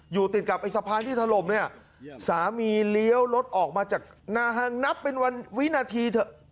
อยู่ติดกับไอ้สะพานที่ถล่มเนี่ยสามีเลี้ยวรถออกมาจากหน้าห้างนับเป็นวันวินาทีเถอะ